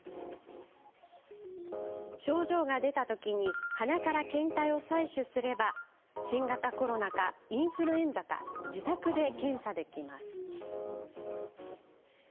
症状が出た時に鼻から検体を採取すれば新型コロナかインフルエンザか自宅で検査できるんです。